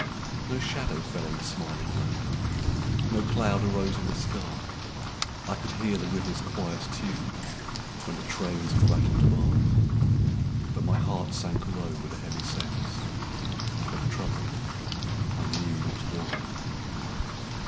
No shadow fell on the smiling land, No cloud arose in the sky; I could hear the river's quiet tune When the trains had rattled by; But my heart sank low with a heavy sense Of trouble, I knew not why.